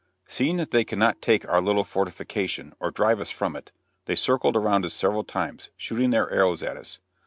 Seeing that they could not take our little fortification, or drive us from it, they circled around us several times, shooting their arrows at us.